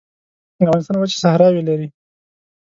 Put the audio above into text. افغانستان وچې صحراوې لري